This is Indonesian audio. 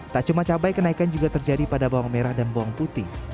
tak cuma cabai kenaikan juga terjadi pada bawang merah dan bawang putih